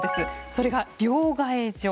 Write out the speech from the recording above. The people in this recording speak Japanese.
それが両替所。